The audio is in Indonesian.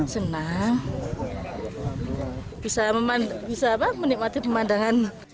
senang bisa menikmati pemandangan